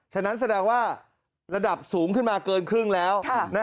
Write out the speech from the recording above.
ฉะนั้นแสดงว่าระดับสูงขึ้นมาเกินครึ่งแล้ว